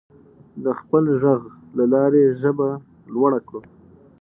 د خپل غږ له لارې ژبه لوړه کړو.